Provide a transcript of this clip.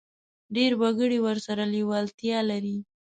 ډېر وګړي ورسره لېوالتیا لري.